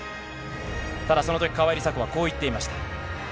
ただそのとき、川井梨紗子はこう言っていました。